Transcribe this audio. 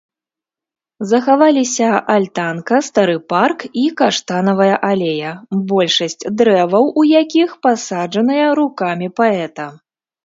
Захаваліся альтанка, стары парк і каштанавая алея, большасць дрэваў у якіх пасаджаныя рукамі паэта.